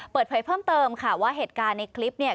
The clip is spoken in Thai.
เปิดเผยเพิ่มเติมค่ะว่าเหตุการณ์ในคลิปเนี่ย